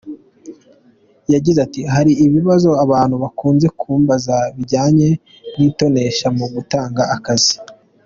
Yagize ati “ Hari ibibazo abantu bakunze kumbaza bijyanye n’itonesha mu gutanga akazi.